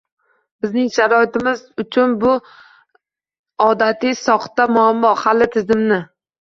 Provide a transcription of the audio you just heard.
Bizning sharoitimiz uchun bu odatiy soxta muammo: hali tizimni